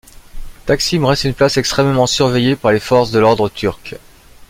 Taksim reste une place extrêmement surveillée par les forces de l'ordre turques.